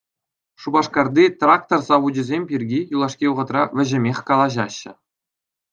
Шупашкарти «Трактор савучӗсем» пирки юлашки вӑхӑтра вӗҫӗмех калаҫаҫҫӗ.